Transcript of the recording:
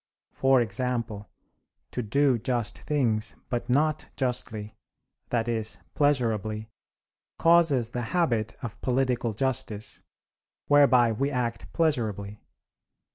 For example, to do just things, but not justly, that is, pleasurably, causes the habit of political justice, whereby we act pleasurably.